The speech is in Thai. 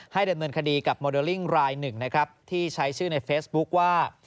ให้เดินเงินคดีกับโมเดลลิ่งรายหนึ่งที่ใช้ชื่อในเฟซบุ๊กว่า